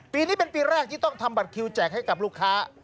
ปีนี้เป็นปีแรกที่ต้องทำบัตรคิวแจกให้กับลูกค้า